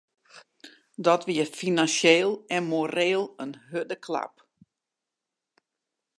Dat wie finansjeel en moreel in hurde klap.